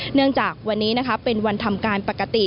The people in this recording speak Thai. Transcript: เนื่องจากวันนี้เป็นวันทำการปกติ